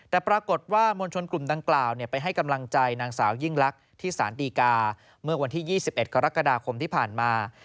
แต่ปรากฏว่ามวลชนกลุ่มดังกล่าวไปให้กำลังใจนางสาวยิ่งลักษณ์ที่สารดีกาเมื่อวันที่๒๑กรกฎาคมที่ผ่านมา